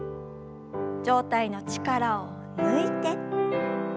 上体の力を抜いて。